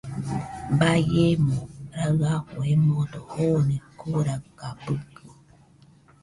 Baiemo raɨafo emodo joone Koraɨkabɨkɨ